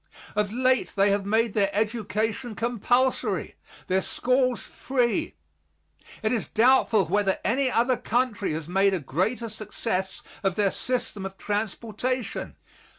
Of late they have made their education compulsory, their schools free. It is doubtful whether any other country has made a greater success of their system of transportation.